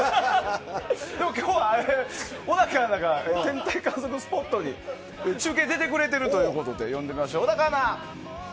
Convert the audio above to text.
今日は小高アナが天体観測スポットに中継出てくれているので呼んでみましょう、小高アナ。